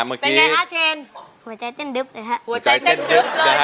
หัวใจเต้นดึบเลยฮะ